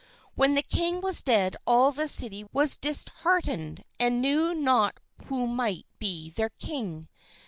When the king was dead all the city was disheartened and knew not who might be their king.